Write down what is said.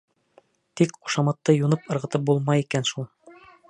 Тик ҡушаматты юнып ырғытып булмай икән шул.